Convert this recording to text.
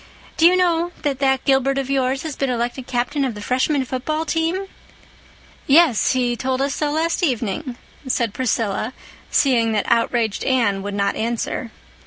Do you know that that Gilbert of yours has been elected Captain of the Freshman football team?" "Yes, he told us so last evening," said Priscilla, seeing that outraged Anne would not answer.